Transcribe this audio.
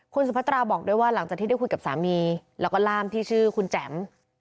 คุณสุพัตราบอกด้วยว่าหลังจากที่ได้คุยกับสามีแล้วก็ล่ามที่ชื่อคุณแจ๋ม